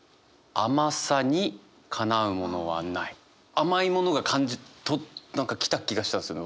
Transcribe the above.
甘いものが何か来た気がしたんですよね